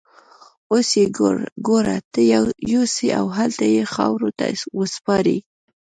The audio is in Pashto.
اوس يې ګور ته يوسئ او هلته يې خاورو ته وسپارئ.